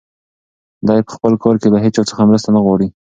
دی په خپل کار کې له هیچا څخه مرسته نه غواړي.